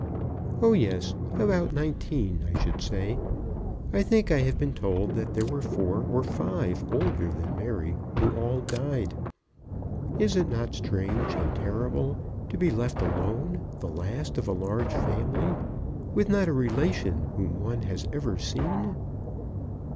"Oh, yes; about nineteen, I should say. I think I have been told that there were four or five older than Mary, who all died. Is it not strange and terrible, to be left alone, the last of a large family, with not a relation whom one has ever seen?"